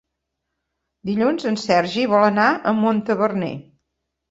Dilluns en Sergi vol anar a Montaverner.